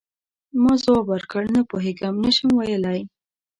ما ځواب ورکړ: نه پوهیږم، نه شم ویلای.